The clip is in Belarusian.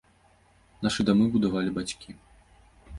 Нашы дамы будавалі бацькі.